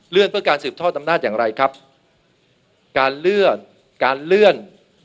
เรื่องเพื่อการสืบทอดอำนาจอย่างไรครับการเลื่อนการเลื่อน